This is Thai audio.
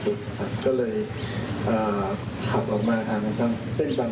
แล้วก็จอดกลับว่าประชาชนเห็น